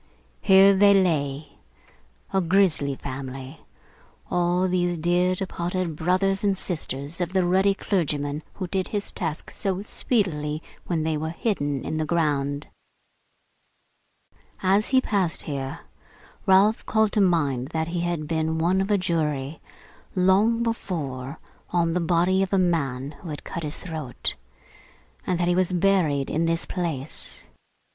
Here they lay, a grisly family, all these dear departed brothers and sisters of the ruddy clergyman who did his task so speedily when they were hidden in the ground! As he passed here, Ralph called to mind that he had been one of a jury, long before, on the body of a man who had cut his throat; and that he was buried in this place.